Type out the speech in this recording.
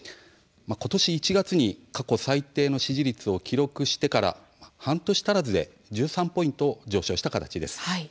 今年１月に過去最低の支持率を記録してから半年足らずで１３ポイント上昇した形です。